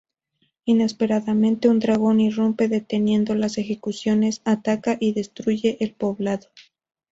Inesperadamente, un dragón irrumpe deteniendo las ejecuciones, ataca y destruye el poblado.